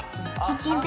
キッチン